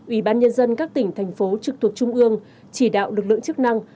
ủy ban nhân dân các tỉnh thành phố trực thuộc trung ương chỉ đạo lực lượng chức năng